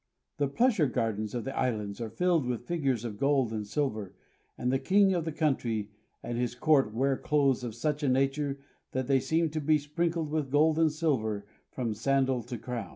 The pleasure gardens of the islands are filled with figures of gold and silver, and the king of the country and his court wear clothes of such a nature that they seem to be sprinkled with gold and silver from sandal to crown."